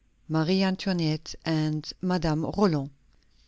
MARIE ANTOINETTE AND MADAME ROLAND.